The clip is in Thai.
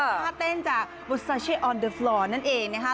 เป็นภาพเต้นจากบุษาเช่ออนเดอร์ฟลอร์นั่นเองนะครับ